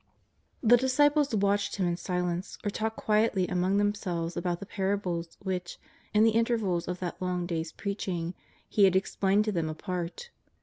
The dis ciples watched Him in silence or talked quietly among themselves about the parables which, in the intervals of that long day's preaching, He had explained to them apart.